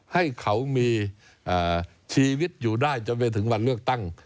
ให้เขามีชีวิตอยู่ได้จนไปถึงวันเลือกตั้ง